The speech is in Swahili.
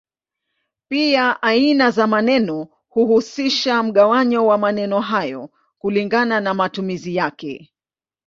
Pia aina za maneno huhusisha mgawanyo wa maneno hayo kulingana na matumizi yake.